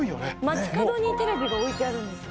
街角にテレビが置いてあるんですか？